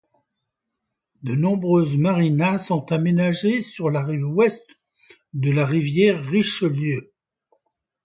De nombreuses marinas sont aménagées sur la rive Ouest de la rivière Richelieu.